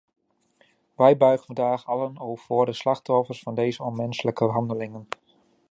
Wij buigen vandaag allen voor de slachtoffers van deze onmenselijke handelingen.